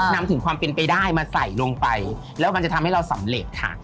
นำถึงความเป็นไปได้มาใส่ลงไปแล้วมันจะทำให้เราสำเร็จค่ะ